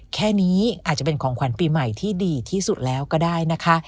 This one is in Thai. แค่นี้อาจจะเป็นของขวัญปีใหม่ที่ดีที่สุดแล้วก็ได้นะคะ